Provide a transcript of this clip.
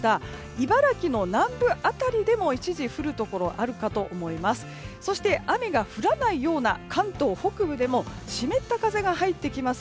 茨城の南部辺りでも一時、降るところがあるかと思います。